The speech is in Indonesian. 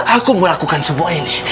aku melakukan semua ini